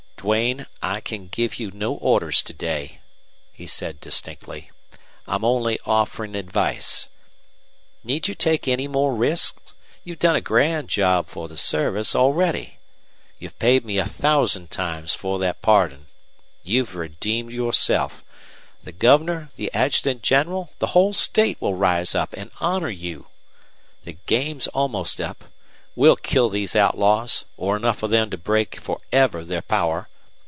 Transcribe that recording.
"Duane, I can give you no orders to day," he said, distinctly. "I'm only offering advice. Need you take any more risks? You've done a grand job for the service already. You've paid me a thousand times for that pardon. You've redeemed yourself. The Governor, the adjutant general the whole state will rise up and honor you. The game's almost up. We'll kill these outlaws, or enough of them to break for ever their power.